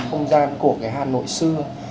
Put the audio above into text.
không gian của cái hà nội xưa